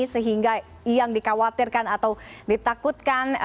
sehingga yang dikhawatirkan atau ditakutkan